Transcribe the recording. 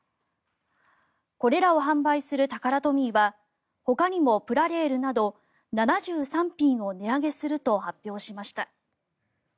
これらを販売するタカラトミーはほかにもプラレールなど７３品を値上げすると発表しました。